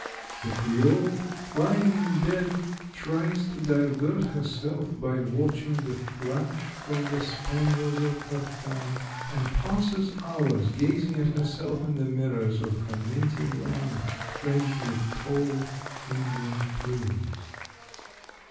The Creole, lying in bed, tries to divert herself by watching the flash from the spangles of her fan, and passes hours gazing at herself in the mirrors of her native land, fringed with tall Indian plumes.